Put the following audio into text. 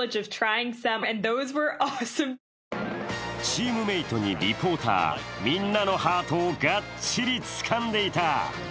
チームメートにリポーター、みんなのハートをがっちりつかんでいた。